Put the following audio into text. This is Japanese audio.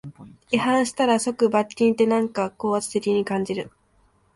違反したら即罰金って、なんか高圧的に感じる